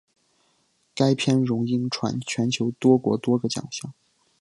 该片荣膺全球多国多个奖项。